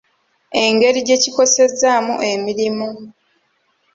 Engeri gye kikosezzaamu emirimu.